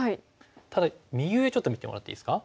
ただ右上ちょっと見てもらっていいですか。